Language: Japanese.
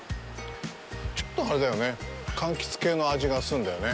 ちょっと、あれだよね、かんきつ系の味がするんだよね。